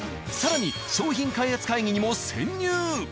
更に商品開発会議にも潜入。